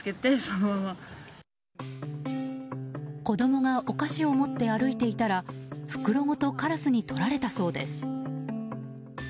子供がお菓子を持って歩いていたら袋ごとカラスにとられたそうです。